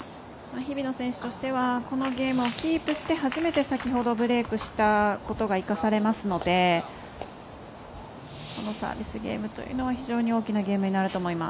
日比野選手としてはこのゲームをキープして初めて先ほどブレークしたことが生かされますのでこのサービスゲームというのは非常に大きなゲームになると思います。